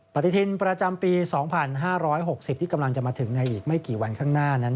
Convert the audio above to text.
ปฏิทินประจำปี๒๕๖๐ที่กำลังจะมาถึงในอีกไม่กี่วันข้างหน้านั้น